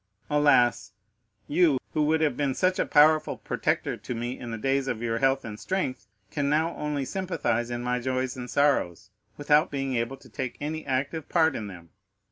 Alas, you, who would have been such a powerful protector to me in the days of your health and strength, can now only sympathize in my joys and sorrows, without being able to take any active part in them.